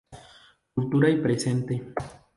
Cultura y presente.